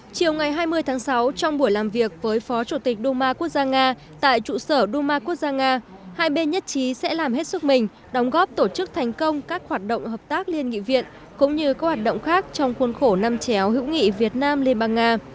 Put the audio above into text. chiều ngày hai mươi tháng sáu trong buổi làm việc với phó chủ tịch đu ma quốc gia nga tại trụ sở duma quốc gia nga hai bên nhất trí sẽ làm hết sức mình đóng góp tổ chức thành công các hoạt động hợp tác liên nghị viện cũng như các hoạt động khác trong khuôn khổ năm chéo hữu nghị việt nam liên bang nga